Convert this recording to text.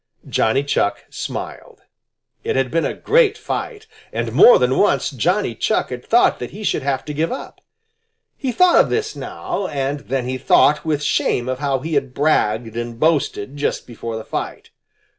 Johnny Chuck smiled. It had been a great fight, and more than once Johnny Chuck had thought that he should have to give up. He thought of this now, and then he thought with shame of how he had bragged and boasted just before the fight.